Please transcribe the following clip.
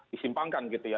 disimpangkan gitu ya